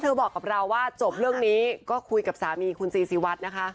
บอกกับเราว่าจบเรื่องนี้ก็คุยกับสามีคุณซีซีวัดนะคะ